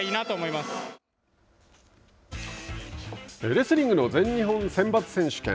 レスリングの全日本選抜選手権。